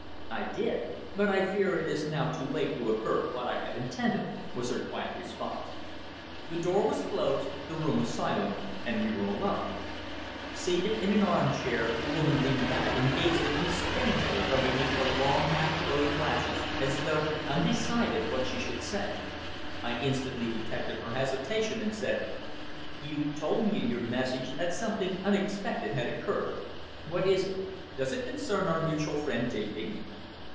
"I did. But I fear it is now too late to avert what I had intended," was her quiet response. The door was closed, the room was silent, and we were alone. Seated in an armchair the woman leaned back and gazed at me strangely from beneath her long, half closed lashes, as though undecided what she should say. I instantly detected her hesitation, and said: "You told me in your message that something unexpected had occurred. What is it? Does it concern our mutual friend, Digby?"